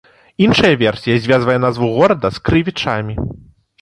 Іншая версія звязвае назву горада з крывічамі.